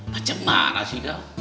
macam mana sih kau